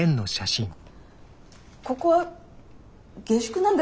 ここは下宿なんだよ。